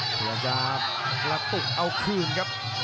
เดี๋ยวจะระปุกเอาคืนครับ